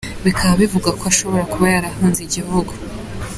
Bikaba bivugwa ko ashobora kuba yarahunze igihugu.